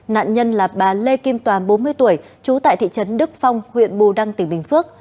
nạn nhân là bà lê kim toàn bốn mươi tuổi trú tại thị trấn đức phong huyện bù đăng tỉnh bình phước